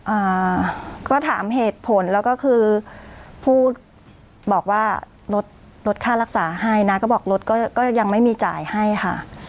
อ่าก็ถามเหตุผลแล้วก็คือพูดบอกว่าลดลดค่ารักษาให้นะก็บอกรถก็ก็ยังไม่มีจ่ายให้ค่ะ